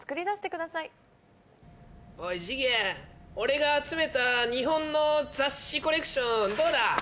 おい次元俺が集めた日本の雑誌コレクションどうだ？